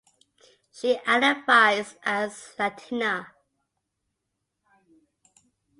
She identifies as Latina.